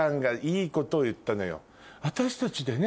私たちでね